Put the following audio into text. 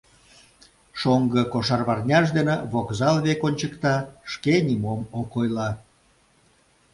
Шоҥго кошарварняж дене вокзал век ончыкта, шке нимом ок ойло.